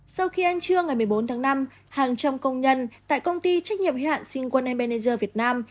sau khi ăn trưa ngày một mươi bốn tháng năm hàng trăm công nhân tại công ty trách nhiệm hệ hạn sinh quân manager việt nam